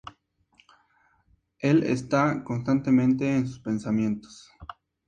Él está constantemente en sus pensamientos.